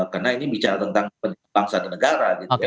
karena ini bicara tentang bangsa dan negara gitu ya